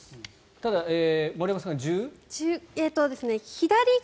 ただ、森山さんが？